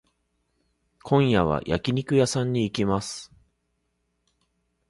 今夜は焼肉屋さんに行きます。